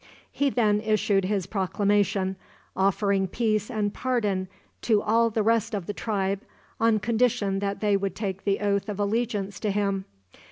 He then issued his proclamation, offering peace and pardon to all the rest of the tribe on condition that they would take the oath of allegiance to him.